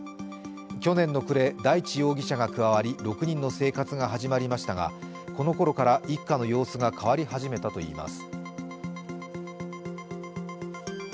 去年の暮れ、大地容疑者が加わり６人の生活が始まりましたがこの頃から一家の様子が変わり始めたといいます。